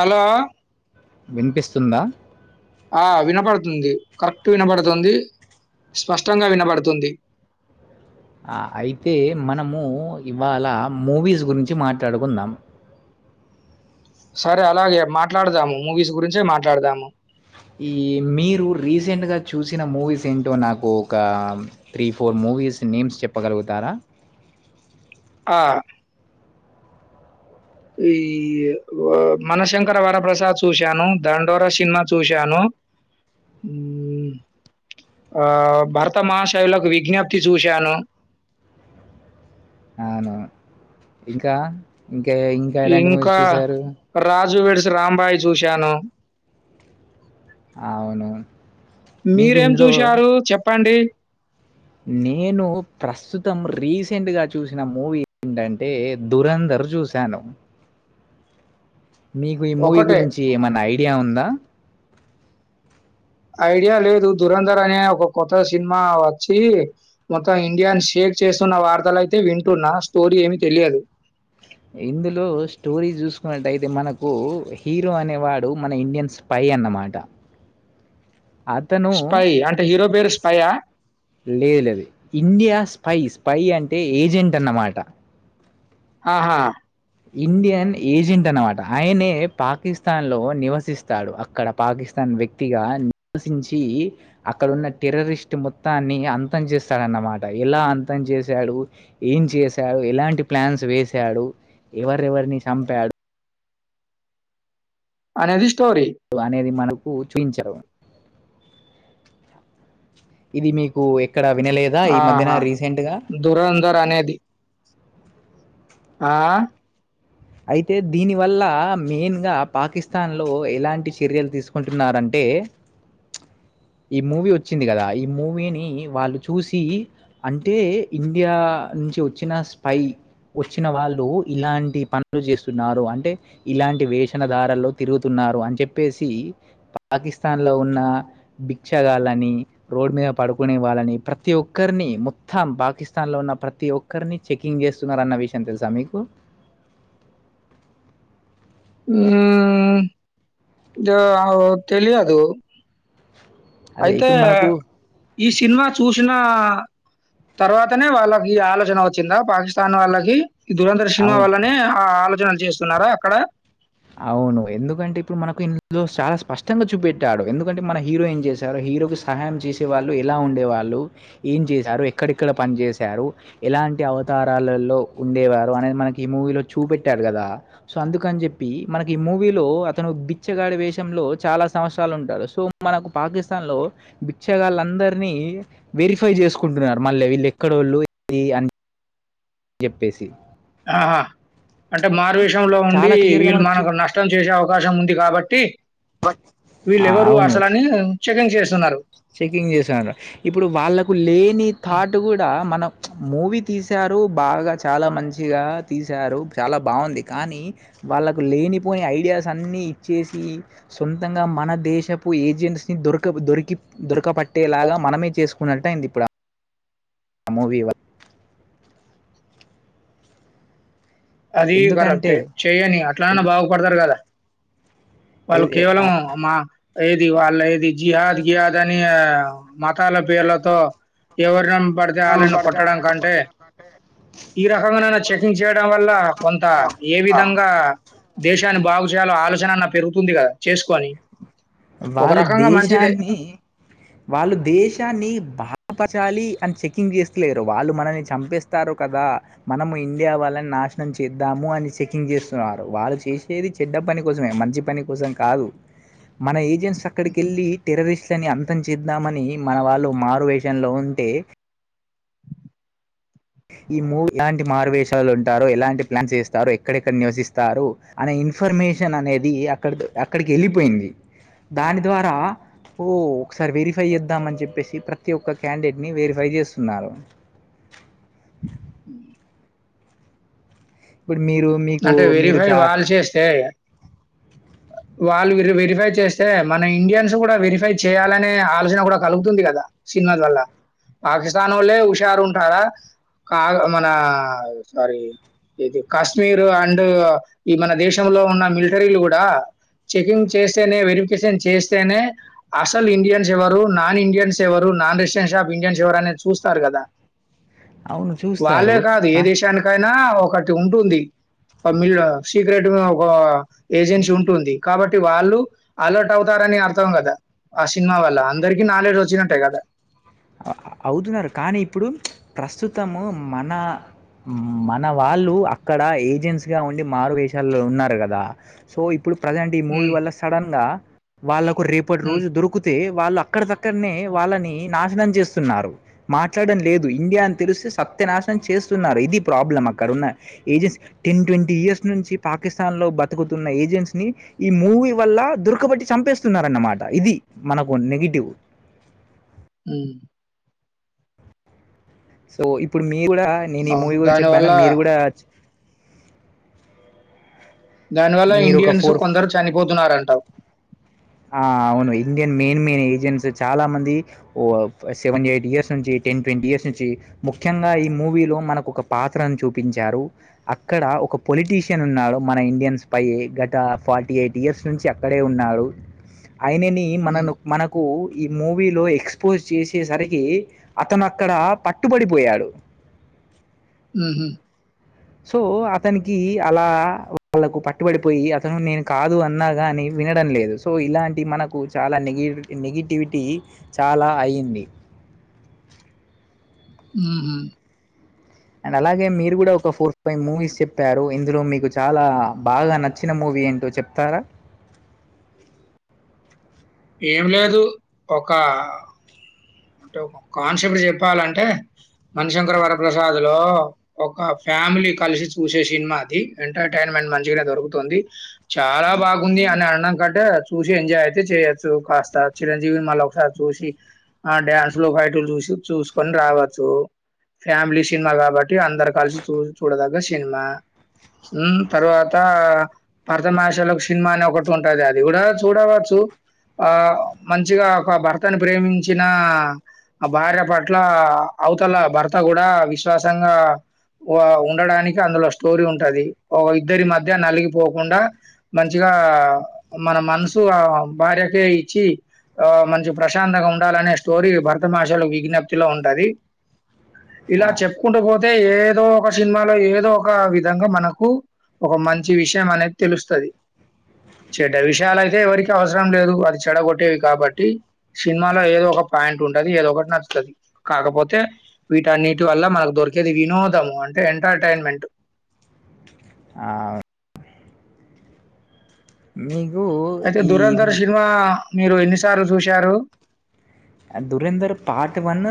Hello విన్పిస్తుందా ఆ వినబడుతుంది, కరెక్ట్ వినబడుతుంది. స్పష్టంగా వినబడుతుంది ఆ! అయితే మనము ఇవాళ మూవీస్ గురించి మాట్లాడుకుందాం సరే అలాగే మాట్లాడదాము, మూవీస్ గురించే మాట్లాడదాము. ఈ మీరు రీసెంట్గా చూసిన మూవీస్ ఏంటో నాకు ఒకా three four move movies names చెప్పగలుగుతారా? ఆ ఈ వ మనశంకర వరప్రసాద్ చూశాను, దండోర సినిమా చూశాను. ఉమ్ ఆ భర్త మహాశైలకు విజ్ఞప్తి చూశాను అవును ఇంకా ఇంకేవేవి ఇంకా ఎలాంటి మూవీస్ చూసారు 'రాజు వెడ్స్ రాంబాయి చూశాను అవును. మీకు మీరేం ఇందులో చూశారు చెప్పండి నేను ప్రస్తుతం రీసెంట్ గా చూసిన మూవీ ఏంటంటే దురంధర్ ర్ జూసాను మీకు ఈ మూవీ ఒకటే. గురించి ఏమన్న ఐడియా ఉందా? ఐడియా లేదు దురంధర్ అనే ఒక కొత్త సినిమా వచ్చీ, మొత్తం ఇండియాను షేక్ షేర్ చేస్తున్న వార్తలయితే వింటున్నా, స్టోరీ ఏమి తెలియదు ఇందులో స్టోరీ చూసుకున్నట్టయితే మనకూ హీరో అనేవాడు మన ఇండియన్ స్పై దీ అన్నమాట అతను స్పై అంటే హీరో పేరు స్పై లేదు లేదు ఇండియా స్పైస్ పై అంటే ఏజెంటన్నమాట. ఆహా ఇండియన్ ఏజెంట్ అనమాట, ఆయనే పాకిస్తాన్ లో నివసిస్తాడు అక్కడ పాకిస్తాన్ న్ వ్యక్తిగా నివసించి అక్కడున్న టెర్రరిస్ట్ మొత్తాన్ని అంతం చేస్తాడన్న అనమాట ఎలా అంతం జేశాడు ఏం చేశాడు ఎలాంటి ప్లాన్స్ వేసాడు ఎవరెవర్ని సంపాడు. అనేది స్టోరీ. అనేది మనక్ పూ చూయించరు ఇది మీకు క్కడ వినలేదా ఈ మధ్యన ఆహా! రీసెంట్ గా 'దురంధర్' అనేది. ఆ. అయితే దీని వల్ల మేన్ గా పాకిస్తాన్ లో ఎలాంటి చర్యలు తీసుకుంటున్నారంటే ఏ ఈ మూవీ వచ్చింది కదా ఈ మూవీని వాళ్ళు చూసి అంటే ఇండియా నుంచి వచ్చిన స్పయ్ వచ్చిన వాళ్ళు ఇలాంటి పను ఉ చేస్తున్నారు అంటే ఇలాంటి వేషనధారల్లో తిరుగుతున్నారు అని చెప్పేసి అ పాకిస్తాన్ లో ఉన్న భిక్షగాలని రోడ్ మీద పడుకునే వాళ్ళని ప్రతి ఒక్కరిని మొత్తం పాకిస్తాన్ లో ఉన్న ప్రతి ఒక్కరిని చెక్కింగ్ చేస్తున్నారు అన్న విషయం తెలుసా మీకు. హ్మ్ దో అవు తెలియదు. అదే అయితే ఇప్పుడు మనకు ఈ సినిమా చూసిన తర్వాతనే వాళ్ళకి ఆలోచన వచ్చిందా పాకిస్తాన్ వాళ్ళకి. ఈ ధురంధర్ సినిమా అవు వల్లనే ఆ ఆలోచనలు చేస్తున్నారా అక్కడ. అవును ఎందుకంటే ఇప్పుడు మనకు ఇందులో చాలా స్పష్టంగా చూపెట్టాడు ఎందుకంటే మన హీరోయిన్ చేశారు. హీరోకి సహాయం చేసే వాళ్ళు ఎలా ఉండే వాళ్ళు ఏం చేశారు ఎక్కడెక్కడ పని చేసారు ఎలా ఏంటి అవతరాలలో ఉండేవారు అనేది మనకి ఈ మూవీలో చూపెట్టారు కదా సో అందుకని చెప్ చెప్పి. ప్పి మనకి ఈ మూవీ లో అతను బిచ్చగాడి వేషంలో చాలా సంవత్సరాలు ఉంటాడు సో మనకు పాకిస్తాన్ లలో బిక్షగాళ్ళందరినీ వెరిఫై చేసుకుంటున్నారు మళ్ళీ వీళ్ళు ఎక్కడోళ్ళు ఏంది అని చెప్పేసి ఆహా అంటే మారువేషంలో ఉండి చాలా క్లియర్‌గా వీళ్ళు చూ మనకు నష్టం చేసే అ అవకాశం ఉంది కాబట్టి వీళ్ళు ఆ! ఎవరు అవును. అసలని చెకింగ్ చేస్ చెకింగ్ చేసారు ఇప్పుడు వాళ్ళకు లేని హ్మ్. థాట్ కూడా మనం మూవీ తీశారు బాగా చాలా మంచిగా తీసారు చాలా బాగుంది కానీ. వాళ్ళకు లేనిపోని ఐడియాస్ అన్నీ ఇచ్చేసి సొంతంగా మన దేశపు ఏజెంట్స్ దొరకపు దొరికి పట్టేలాగా మనమే చేసుకున్నట్టయింది ఇప్పుడు. ఆ మూవీ వల్ల అది ఎందుకంటే కరెక్టే చెయ్యని అట్లన బాగుపడతారు కదా. వాళ్ళు కేవలం మా ఏది వాళ్ళ ఏది జిహాద్ గిహాద్ అని మతాల పేర్లతో ఎవరిన పడితే వాళ్ళని కొట్టడం కంటే ఈ రకంగానైనా చెకింగ్ చేయడం వ త్త కొంత ఏ విధంగా దేశాన్ని బాగు చేయాలో ఆలోచన నన్నా పెరుగుతుంది కదా చేసుకోని వాళ్ళు దేశాన్ని వాళ్ళు దేశాన్ని బాధపచాలి అని చెకింగ్ చేస్తలేరు వాళ్ళు మనల్ని చంపేస్తారు కదా మనం ఇండియా వాళ్ నాశనం చేద్దాము అని చెకింగ్ చేస్తున్నారు వాళ్ళు చేసేది చెడ్డ పని కోసమే మంచి పని కోసం కాదు. మన ఏజెంట్స్ అక్కడికెళ్ళి టెర్రరిస్ తని అంతం చేద్దామని మన వాళ్ళు మారువేషంలో ఉంటే ఈ మూవీ ఎలాంటి మార్వేషాలు ఉంటారో ఎలాంటి ప్లాన్స్ చేస్తారో ఎక్కడెక్కడ నివసిస్తారు అనే ఇ ఇన్ఫర్మేషన్ అనేది అక్కడ అక్కడికి వెళ్ళిపోయింది దాని ద్వారా ఓ ఒకసారి వెరిఫై చేద్దామ అని చెప్పేసి ప్రతి ఒక్క క్యాండిడేట్ ని వెరిఫై చేస్తున్నారు. ఆ. ఉ ఇప్పుడు మీరు మీకు అంటే మీరు వెరిఫై చా వాళ్ళు చేస్తే టుక్ టుక్. వాళ్ళు వెరిఫై చేస్తే మన ఇండియన్స్ కూడా వెరిఫై చేయాలనే ఆలోచన కూడా కలుగుతుంది కదా. ద సినిమా వల్ల పాకిస్తానోళ్లే హుషారు ఉంటారా కాదు మన సారీ ఇది కష్ కాశ్మీర్ అండ్ ఈ మన దేశంలో ఉన్న మిలిటరీలు కూడా చెకింగ్ చేస్తేనే వెరిఫికేషన్ చేస్తేనే అసల్ ఇండియన్స్ ఎవరు నాన్ ఇండియన్స్ ఎవరు నాన్ రెసిడెన్ష షా ఇడియన్స్ ఎవరనేది చూస్తారు కదా అవును వాళ్ళే చూస్తారు కాదు ఏ కా దేశానికైనా ఒకటి ఉంటుంది మిల్ సీక్రెట్ ఒక ఏజెన్సీ ఉంటుంది కాబట్టి వాళ్ళు అలర్ట్ అవుతారని అర్థం కదా ఆ సినిమా వల్ల అందరికి నాలెడ్జ్ వచ్చినట్టే కదా అవుతున్నారు కానీ ఇప్పుడు ప్రస్తుతము మన మన వాళ్ళు అక్కడ ఏజెంట్స్ గా ఉండి మారు వేశల్లో ఉన్నారు కదా సో ఇప్పుడు ప్రజెంట్ ఈ మూవీ ఉమ్, వల్ల సడన్ గా వాళ్ళలకు రేపటి ఉమ్. రోజు దొరికితే వాళ్ళు అక్కడి దక్కడనే వాళ్ళని నాశనం చేస్తున్నారు మాట్లాడడం లేదు ఇండియా అని తెలిస్తే సత్య నాశనం చేస్తున్నారు ఇది problem corona ఏజెన్స ten twenty years నుంచి పాకిస్తాన్ లో బతుకుతున్న ఏజెన్స్ ని ఈ మూడు మూవీ వల్ల దురకబట్టి చంపేస్తున్నన్నమాట ఇది మనకు నెగిటివ్ మ్ సో ఇప్పుడు మీరు కూడా నేను ఈ అవును మూవీ గురించి చెప్పాను దానివల్ల మీరు కూడా దాని వల్ల మీరు ఒక ఇండియన్స్ ఫోర్ కొందరు చనిపోతున్నారంటవు అవును ఇండియన్ మెయిన్ మెయిన్ ఏజెంట్స్ చాలా మంది ఓ సెవెంటీ ఎయిట్ ఇయర్స్ నుంచి టెన్ ట్వంటీ బస్ ను ముఖ్యంగా ఈ మూవీ లో మనకు ఒక పాత్రను చూపించారు అక్కడ ఒక పొలి పొాలిటీషియన్ ఉన్నాడు మన ఇండియన్స్ పై గత ఫార్టీ ఎయిట్ ఇయర్స్ నుంచి అక్కడే ఉన్నాడు ఆయనని ఉమ్, మనను మనకు ఈ మూవీలో ఎక్స్పోజ్ చేసేసరికి అతను అక్కడ పట్టుబడిపోయాడు ఉహుమ్మ్ సో అతనికి అలా వాళ్ళకు పట్టుబడిపోయి అతను నేను కాదు అన్నాగాని వినడం లేదు సో ఇలాంటి మనకు చాలా నెగి నెగిటివిటీ చాలా అయింది ఉహుమ్మ్ అండ్ అలాగే మీరు కూడా ఒక ఫోర్ ఫైవ్ మూవీస్ చెప్పారు ఇందులో మీకు చాలా బాగా నచ్చిన మూవీ ఏంటో చెప్తారా ఏం లేదు ఒక ే కాన్సెప్ట్ చెప్పాలంటే మనిశంకర్ వరప్రసాద్ లో ఒక ఫ్యామిలీ కలిసి చూసే సినిమా అది ఎంటర్టైన్మెంట్ మంచిగానే దొరుకుతుంది చాలా బాగుంది అని అన్నాం కంటే చూసి ఎంజాయ్ అయితే చేయొచ్చు కాస్త చిరంజీవిని మళ్ళీ ఒకసారి చూసి ఆ డ్యాన్స్ లో బయటలు చూసి చూసుకొని రావచ్చు ఫ్యామిలీ సినిమా కాబట్టి అందరు కలిసి చూ చూడదగ్గ సినిమా ఉ తర్వాత పరతమాషలోకి సినిమా అని ఒకటి ఉంటది అది చూడ చూడవచ్చు ఆ మంచిగా ఒక భర్తని ప్రేమ చ్చిన భార్య పట్ల అవతల భర్త కూడా విశ్వాసంగా ఉండడానికి అందులో స్టోరీ ఉంటది ఒక ఇద్దరి మధ్య నలిగిపోకుండా మంచిగా మన మనసు ఆ భార్యకే ఇచ్చి ఆ మనషు ప్రశాంతంగా ఉంటు అనే స్టోరీ భరతమాషలో విజ్ఞప్తిలో ఉంటది ఇలా ఆ! చెప్పుకుంటూ పోతే పోతే ఏదో ఒక సినిమాలో ఏదో ఒక విధంగా మనకు ఒక మంచి విషయం అనేది తెలుస్తుంది చెడ్ విషయాలు అయితే ఎవరికి అవసరం లేదు అది చెడగొట్టేవి కాబట్టి చిన్న లో ఏదో ఒక పాయింట్ ఉంటది ఏదో ఒకటి నచ్చుంది కాకపోతే వీట అన్నిటి వల్ల మనకు దొరికేది వినోదము అంటే ఎంటర్టైన్మెంట్ ఆవు ని అయితే దురంధర్ సినిమా మీరు ఎన్నిసార్లు చూశారు Dhurandhar part one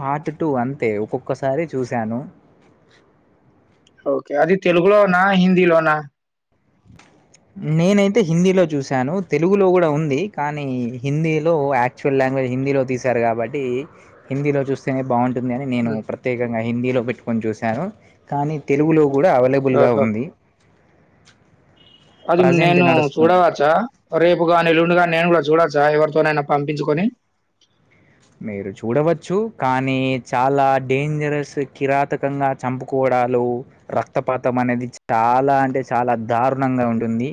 part two అంతే ఒక్కొక్కసారి చూశాను [inaudible] ఓకే అది తెలుగులోనా హిందీలోనా నేనైతే హిందీలో చూశాను తెలుగులో కూడా ఉంది కానీ హిందీలో యాక్చువల్ లాంగ్వేజ్ హిందీలో తీసారు కాబట్టి హిందీలో చూస్తేనే బాంవు ని నేను హ్మ్. ప్రత్యేకంగా హిందలో పెట్టుకోని చూశాను కానీ తెలుగులో కూడా అవైలబుల్ గా ఓహో! ఉంది అది ప్రజెంట్ నేను నడుస్తుంది. చూడవచ్చా రేపుగా ఎల్లుండిగాని నేను కూడా చూడచ్చా ఎవరితోనైనా పంపించుకొని మీరు చూడవచ్చు కానీ చాలా డేంజరస్ కిరాతకంగా చంపుకోవడం ఆలు రక్తపాతం అనేది చాలా అంటే చాలా దారుణంగా ఉంటుంది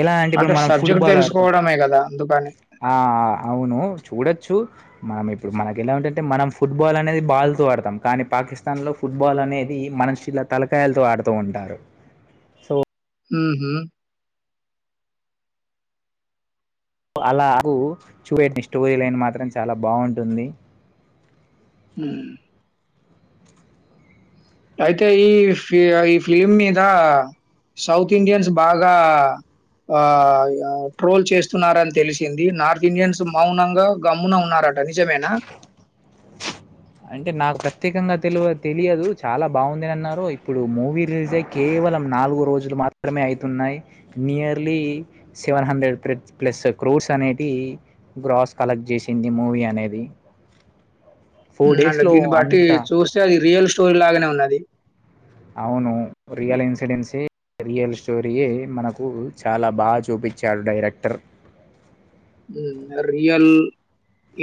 ఎలా అంటే ఇప్పుడు మనం సబ్జెక్ట్ ఫుట్బాల్ ఆడుతాం తెలుసుకోవడమే గదా! అందుకని. ఆ అవును చూడొచ్చు మనం ఇప్పుడు మనకి ఎలా ఉంటంటే మనం ఫుట్బాల్ అనేది బాల్తో ఆడతాం కానీ పాకిస్తాన్ లో ఫుట్బాల్ అనేది మనుషుల తలకాయలతో ఆడుతూ ఉంటారు సో ఊహు అలాహూ చూపేటినా స్టోరీ లై మాత్రం చాలా బాగుంటుంది [inaudible] అయితే ఈ ఫీ ఈ ఫిలిమ్ మీద సౌత్ ఇండియన్స్ బాగా ఆ ట్రోల్ చేస్తున్నారని తెలిసింది నార్త్ ఇండియన్స్ మౌనంగా గమ్మున ఉన్నార అట నిజమేనా [inaudible] అంటే నాకు ప్రత్యేకంగా తెలి తెలియదు చాలా బాగుందిని అన్నారు ఇప్పుడు మూవీ రిలీజ్ అయీ కే కేవలం నాలుగు రోజులు మాత్రమే అయితున్నాయి nearly seven hundred plus crores అనేది గ్రాస్ కలెక్ట్ చేసింది మూవీ అనేది ఊ అంటే డేస్‌లో దీన్ని బట్టి అంత చూస్తే అది రియల్ స్టోరీ లాగానే ఉన్నది అవును రియల్ ఇన్సిడెంట్స్ కి రియల్ స్టోరీయే మనకు చాలా బాగా చూపించాడు డైరెక్టర్ హూ ఆ రియల్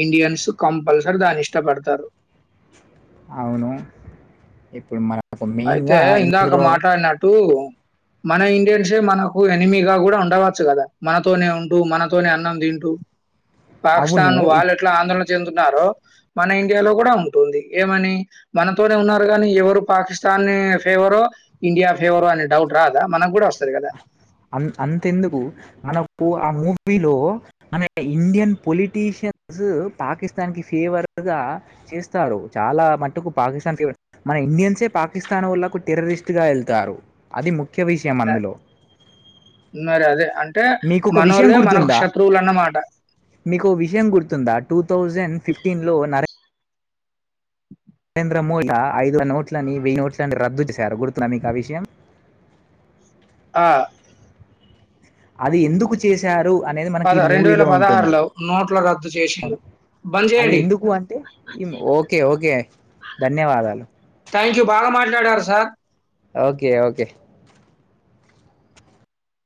ఇండియన్స్ కంపల్సరీ దాని ఇష్టపడతారు అవును ఇప్పుడు మన అయితే ఇందాక మాట్లాడినట్టు మన ఇండియన్సే మనకు ఎనిమీగా కూడా ఉండవచ్చు కదా మనతోనే ఉంటూ మనతోనే అన్నం తింటూ అవును పాకిస్తన్ వాళ్ళ ఇప్- ఎట్లా ఆందోళన చెందుతారో మన ఇండియాలో కూడా ఉంటుంది ఏమని మనతోనే ఉన్నారు కానీ ఎవరు పాకిస్తా నీ ఫేవరో ఇండియా ఫేవరో అనే డౌట్ రాదా మనకు కూడా వస్తుంది అ అంతెందుకు మన ఆ మూవీలో మన ఇండియన్ పొలిటీషియన్స్ పాకిస్తాన్ కి ఫేవర్ గా చేస్తారు చాలా మటుకు పాకిస్తాన్ మన ఇండియన్సే పాకిస్తాన్ వాళ్ళకు టెర రిస్ట్ గా వెళ్తారు అది ముఖ్య విషయం న- అందులో మరి అదే అంటే మీకు ఒక విషయం మనోళ్లే మనకు గుర్తుందా శత్రువులు అన్నమాట మీకు విషయం గుర్తుందా టూ థౌజండ్ ఫిఫ్టీన్ లో నరే మ ఐదు నోట్లని వెయ్యి నోట్లన్నీ రద్దు చేశారు గుర్తున్నా మీకా ఆ విషయం ఆ అది ఎందుకు చేశారు అనేది మనకి పద ఈ రెండు వేల మూవీలో ఉంటుంది పదహారులో నోట్ల రద్దు చేసిండు బంద్ అది చేయండి ఎందుకు అంటే ఓకే ఓకే ధన్యవాదాలు థ్యాంక్ యూ బాగా మాట్లాడారు సార్ ఓకే ఓకే